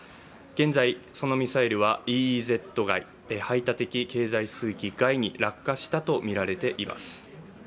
現在、そのミサイルはＥＥＺ外排他的経済水域外に落下したものとみられます。